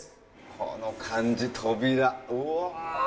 この感じ扉うわ！